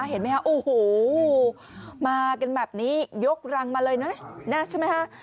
เห็นไหมฮะโอ้โหมากันแบบนี้ยกรังมาเลยนะใช่ไหมฮะ